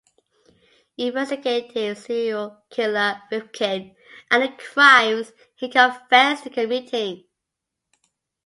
It investigated serial killer Rifkin and the crimes he confessed to committing.